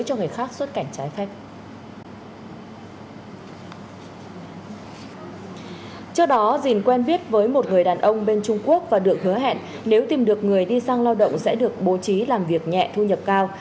trước đó dìn quen biết với một người đàn ông bên trung quốc và được hứa hẹn nếu tìm được người đi sang lao động sẽ được bố trí làm việc nhẹ thu nhập cao